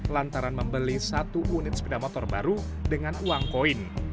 lantaran membeli satu unit sepeda motor baru dengan uang koin